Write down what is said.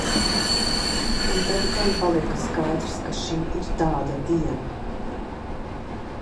Un tad gan palika skaidrs, ka šī ir tāda diena.